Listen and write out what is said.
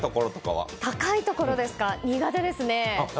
高いところは苦手ですね。